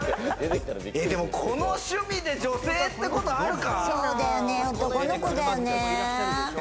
この趣味で女性ってことあるか？